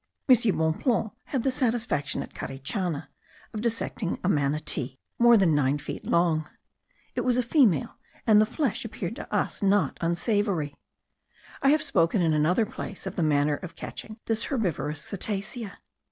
M. Bonpland had the satisfaction at Carichana of dissecting a manatee more than nine feet long. It was a female, and the flesh appeared to us not unsavoury. I have spoken in another place of the manner of catching this herbivorous cetacea.